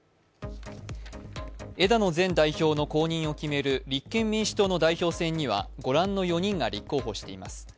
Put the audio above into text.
枝野前代表の後任を決める立憲民主党の代表選には御覧の４人が立候補しています。